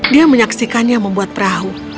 dia menyaksikannya membuat perahu